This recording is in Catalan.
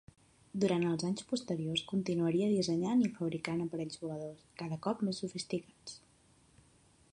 Durant els anys posteriors continuaria dissenyant i fabricant aparells voladors, cada cop més sofisticats.